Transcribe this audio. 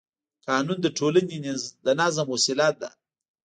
قانون د ټولنې د نظم وسیله ده